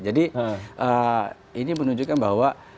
jadi ini menunjukkan bahwa